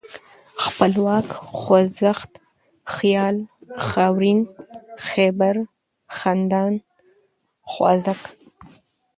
خپلواک ، خوځښت ، خيال ، خاورين ، خيبر ، خندان ، خوازک